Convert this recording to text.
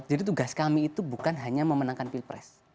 jadi tugas kami itu bukan hanya memenangkan pilpres